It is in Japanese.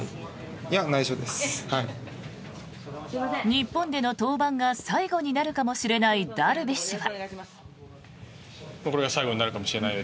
日本での登板が最後になるかもしれないダルビッシュは。